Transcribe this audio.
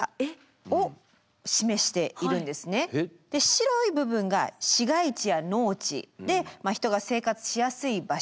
白い部分が市街地や農地で人が生活しやすい場所。